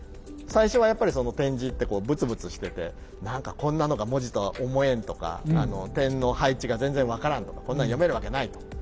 最初はやっぱり点字ってブツブツしてて何かこんなのが文字とは思えんとか点の配置が全然分からんとかこんなの読めるわけないと。